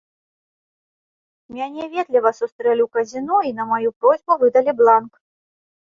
Мяне ветліва сустрэлі ў казіно і на маю просьбу выдалі бланк.